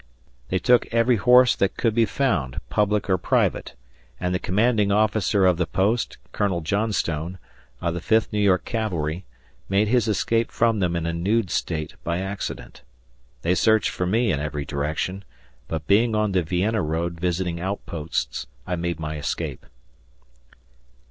They took every horse that could be found, public or private; and the commanding officer of the post, Colonel Johnstone, of the Fifth New York Cavalry, made his escape from them in a nude state by accident. They searched for me in every direction, but being on the Vienna road visiting outposts, I made my escape.